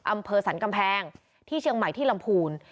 อำเภอสรรกำแพงที่เชียงใหม่ที่ลำพูน